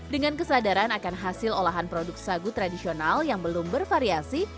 dengan kesadaran akan hasil olahan produk sagu tradisional yang belum bervariasi